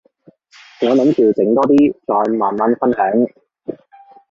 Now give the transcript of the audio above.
我諗住整多啲，再慢慢分享